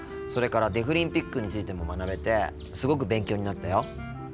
それからデフリンピックについても学べてすごく勉強になったよ。